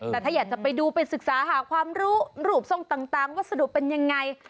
แต่ถ้าอยากจะไปดูไปศึกษาหาความรู้รูปทรงต่างวัสดุเป็นยังไง